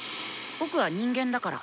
「僕は人間だから」。